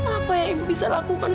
apa yang ibu bisa lakukan